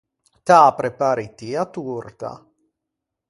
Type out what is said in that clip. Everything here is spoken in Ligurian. T’â prepari ti a torta?